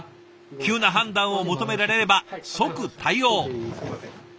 急な判断を求められれば即対応。